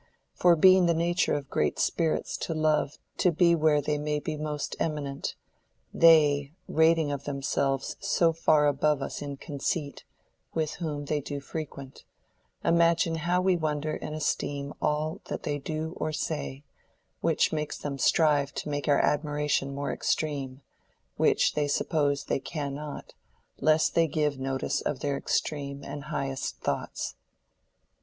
. For being the nature of great spirits to love To be where they may be most eminent; They, rating of themselves so farre above Us in conceit, with whom they do frequent, Imagine how we wonder and esteeme All that they do or say; which makes them strive To make our admiration more extreme, Which they suppose they cannot, 'less they give Notice of their extreme and highest thoughts.